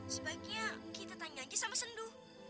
sebaiknya kita tanya lagi sama sendu